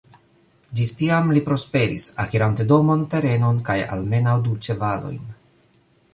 Ĝis tiam li prosperis, akirante domon, terenon kaj almenaŭ du ĉevalojn.